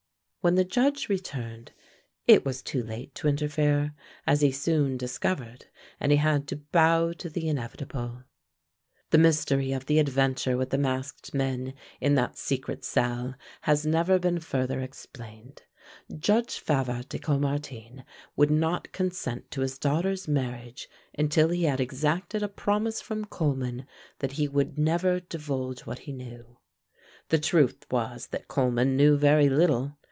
When the Judge returned it was too late to interfere, as he soon discovered, and he had to bow to the inevitable. The mystery of the adventure with the masked men in that secret salle has never been further explained. Judge Favart de Caumartin would not consent to his daughter's marriage until he had exacted a promise from Coleman that he would never divulge what he knew. The truth was that Coleman knew very little.